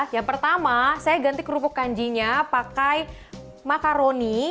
yang pertama saya ganti kerupuk kanjinya pakai makaroni